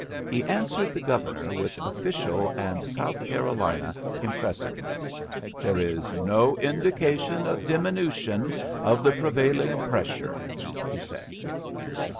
He answered the Governor with official and South Carolina impressiveness. "There is no indication of diminution of the prevailing pressure," he said.